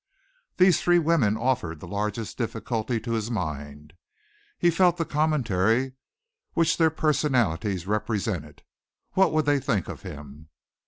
These three women offered the largest difficulty to his mind. He felt the commentary which their personalities represented. What would they think of him?